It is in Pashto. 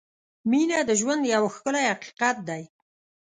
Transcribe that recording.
• مینه د ژوند یو ښکلی حقیقت دی.